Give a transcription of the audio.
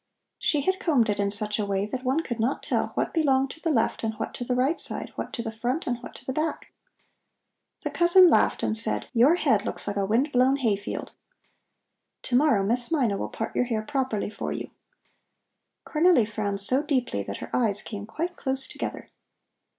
She had combed it in such a way that one could not tell what belonged to the left and what to the right side, what to the front and what to the back. The cousin laughed and said: "Your head looks like a wind blown hay field. To morrow Miss Mina will part your hair properly for you." Cornelli frowned so deeply that her eyes came quite close together.